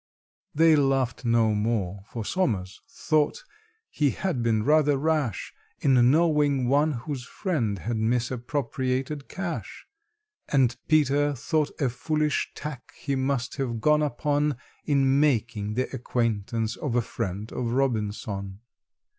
They laughed no more, for SOMERS thought he had been rather rash In knowing one whose friend had misappropriated cash; And PETER thought a foolish tack he must have gone upon In making the acquaintance of a friend of ROBINSON.